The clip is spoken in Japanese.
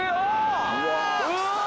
うわ！